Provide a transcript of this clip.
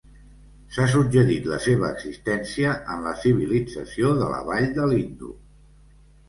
S'ha suggerit la seva existència en la Civilització de la Vall de l'Indo.